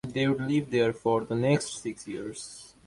They would live there for the next six years.